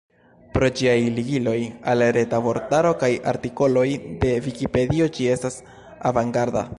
Pro ĝiaj ligiloj al Reta Vortaro kaj artikoloj de Vikipedio ĝi estas avangarda.